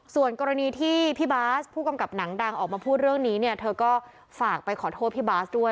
ส่วนกรณีที่พี่บาสผู้กำกับหนังดังออกมาพูดเรื่องนี้เนี่ยเธอก็ฝากไปขอโทษพี่บาสด้วย